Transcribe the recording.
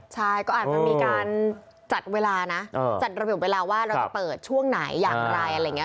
ใช่ก็อาจจะมีการจัดเวลานะจัดระเบียบเวลาว่าเราจะเปิดช่วงไหนอย่างไรอะไรอย่างนี้